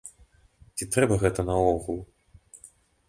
Ці трэба гэта наогул?